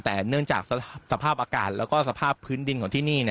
แต่เนื่องจากสภาพอากาศแล้วก็สภาพพื้นดินของที่นี่